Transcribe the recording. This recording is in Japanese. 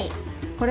これ？